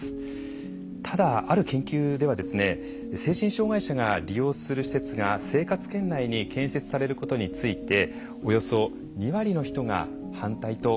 ただある研究では精神障害者が利用する施設が生活圏内に建設されることについておよそ２割の人が「反対」と回答しています。